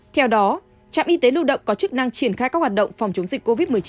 theo đó trạm y tế lưu động có chức năng triển khai các hoạt động phòng chống dịch covid một mươi chín